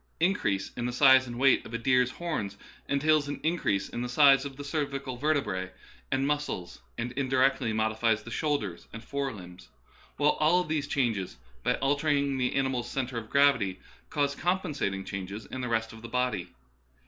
Increase in the size and weight of a deer's horns entails an increase in the size of the cervical vertebrae and muscles, and indirectly modifies the shoulders and fore limbs ; while all these changes, by altering the animal's centre of gravity, cause compensating changes in the rest of the body.